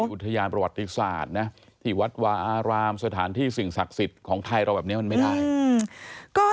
อุทยานประวัติศาสตร์นะที่วัดวาอารามสถานที่สิ่งศักดิ์สิทธิ์ของไทยเราแบบนี้มันไม่ได้